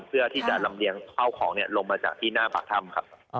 เพื่อที่จะลำเลียงเข้าของลงมาจากที่หน้าปากถ้ำครับ